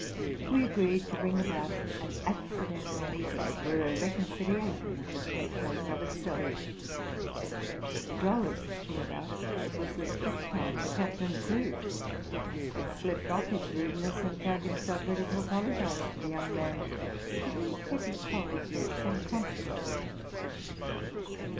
We agreed to bring about an acci dental meeting, where a reconciliation should take place of itself. The drollest thing about it was, that this time the captain, too, had slept off his rudeness, and found himself ready to apologize to the young man, to whom petty quarrels were of some consequence.